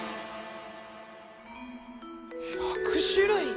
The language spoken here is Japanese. １００種類。